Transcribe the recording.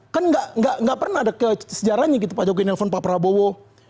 kan nggak pernah ada sejarahnya gitu pak jokowi nelfon pak prabowo